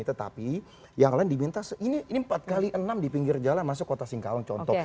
tetapi yang lain diminta ini empat x enam di pinggir jalan masuk kota singkawang contoh